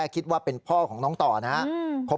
คิดว่าเป็นพ่อของน้องต่อนะครับ